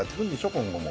今後も。